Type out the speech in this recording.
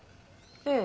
ええ。